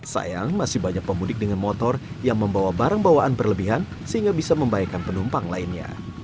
sayang masih banyak pemudik dengan motor yang membawa barang bawaan berlebihan sehingga bisa membahayakan penumpang lainnya